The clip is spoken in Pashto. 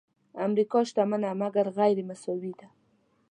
امریکا شتمنه مګر غیرمساوي ده.